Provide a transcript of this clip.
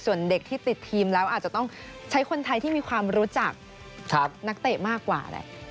ส่วนเด็กที่ติดทีมแล้วอาจจะต้องใช้คนไทยที่มีความรู้จักนักเตะมากกว่าแหละ